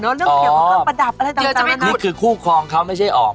เรื่องเกี่ยวกับเครื่องประดับอะไรต่างนี่คือคู่ครองเขาไม่ใช่ออก